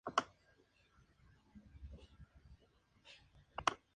Al concluir la guerra civil española se exilió en Estados Unidos hasta su muerte.